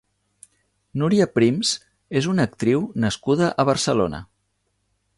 Núria Prims és una actriu nascuda a Barcelona.